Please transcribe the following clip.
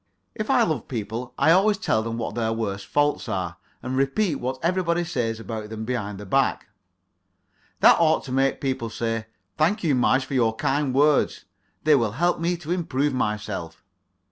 If I love people I always tell them what their worst faults are, and repeat what everybody says about them behind their back. That ought to make people say: "Thank you, Marge, for your kind words. They will help me to improve myself."